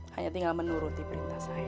hanya tinggal menuruti perintah saya